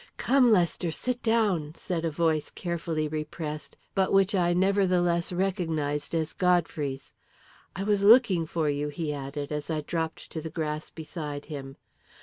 "Come, Lester, sit down," said a voice carefully repressed, but which I nevertheless recognised as Godfrey's. "I was looking for you," he added, as I dropped to the grass beside him.